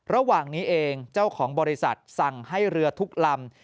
ระหว่างนี้เองเจ้าของบริษัทสั่งให้เรือทุกลำ